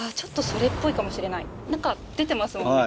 何か出てますもんね。